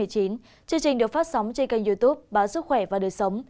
chương trình được phát sóng trên kênh youtube báo sức khỏe và đời sống